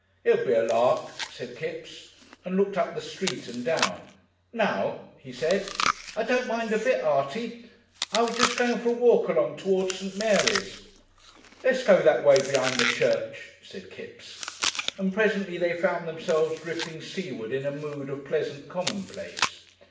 "It would be a lark," said Kipps, and looked up the street and down. "Now?" he said. "I don't mind a bit, Artie. I was just going for a walk along towards St. Mary's." "Let's go that way be'ind the church," said Kipps, and presently they found themselves drifting seaward in a mood of pleasant commonplace.